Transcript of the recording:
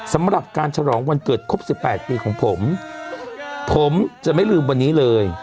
สำหรับการฉลองวันเกิดครบสิบแปดปีของผมผมจะไม่ลืมวันนี้เลย